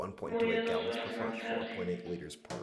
Murió dos horas más tarde.